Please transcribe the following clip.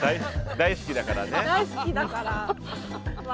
大好きだから。